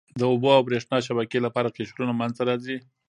د اوبو او بریښنا شبکې لپاره قشرونه منځته راځي.